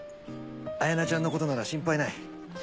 彩名ちゃんのことなら心配ない。